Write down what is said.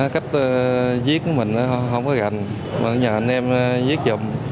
cách giết của mình nó không có gần mà nhờ anh em giết giùm